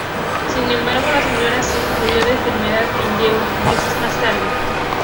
Sin embargo, la señora Zhen murió de enfermedad en Ye unos meses más tarde.